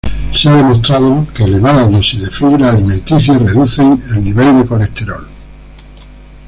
Se ha demostrado que elevadas dosis de fibra alimenticia reducen el nivel de colesterol.